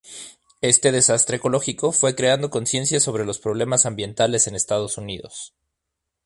Este desastre ecológico fue creando conciencia sobre los problemas ambientales en Estados Unidos.